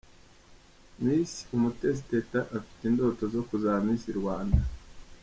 Miss Umutesi Teta afite indoto zo kuzaba Miss Rwanda.